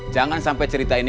jangan sampai cerita ini